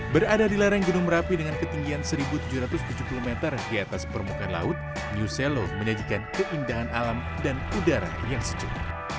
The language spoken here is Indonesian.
berada di lereng gunung merapi dengan ketinggian satu tujuh ratus tujuh puluh meter di atas permukaan laut new selo menyajikan keindahan alam dan udara yang sejuk